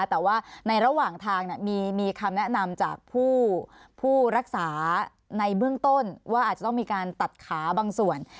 แต่ว่าในระหว่างทางมีคำแนะนำจากผู้รักษาในเบื้องต้นว่าอาจจะต้องมีการตัดขาบางส่วน